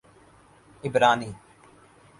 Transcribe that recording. عبرانی